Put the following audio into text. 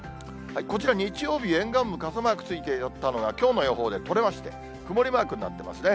こちら日曜日、沿岸部、傘マークついてたのが、きょうの予報で取れまして、曇りマークになってますね。